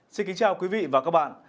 xin kính chào quý vị và các bạn